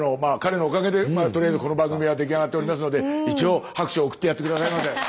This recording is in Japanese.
彼のおかげでとりあえずこの番組は出来上がっておりますので一応拍手を送ってやって下さいませ。